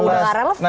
udah gak relevan dong